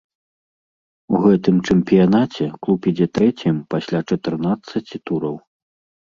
У гэтым чэмпіянаце клуб ідзе трэцім пасля чатырнаццаці тураў.